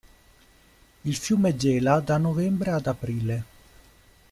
Il fiume gela da novembre ad aprile.